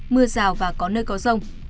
mưa rào và có nơi có rông